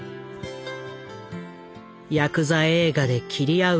ヤクザ映画で斬り合う